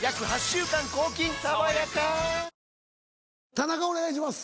田中お願いします。